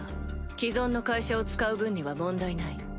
既存の会社を使う分には問題ない。